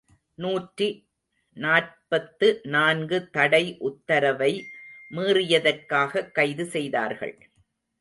நூற்றி நாற்பத்து நான்கு தடை உத்தரவை மீறியதற்காகக் கைது செய்தார்கள்.